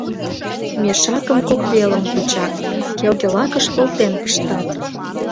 Мешакым кок велым кучат, келге лакыш волтен пыштат.